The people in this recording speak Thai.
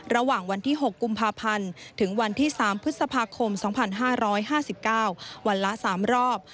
ระหว่างวันที่๖กุมภาพันธ์ถึงวันที่๓พฤษภาคม๒๕๕๙วันละ๓รอบ